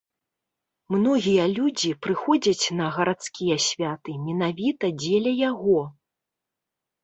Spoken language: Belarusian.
Многія людзі прыходзяць на гарадскія святы менавіта дзеля яго.